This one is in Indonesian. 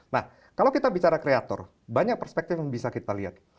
nah kalau kita bicara kreator banyak perspektif yang bisa kita lihat